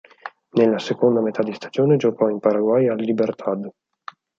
Nella seconda metà di stagione giocò in Paraguay al Libertad.